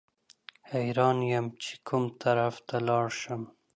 حیران یم چې کوم طرف ته ولاړ شم.